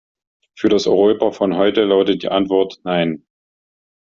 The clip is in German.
Für das Europa von heute lautet die Antwort, nein.